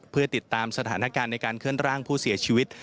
เพื่อติดตามสถานการณ์ในการเคลื่อนร่างผู้เสียชีวิต